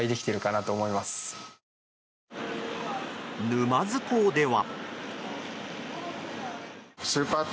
沼津港では。